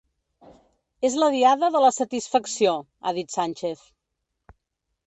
És la Diada de la satisfacció –ha dit Sánchez–.